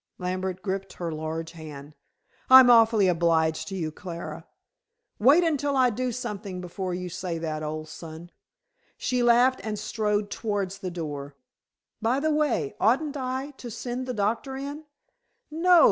Lambert gripped her large hand. "I'm awfully obliged to you, Clara." "Wait until I do something before you say that, old son," she laughed and strode towards the door. "By the way, oughtn't I to send the doctor in?" "No.